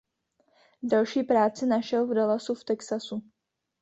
Další práci našel v Dallasu v Texasu.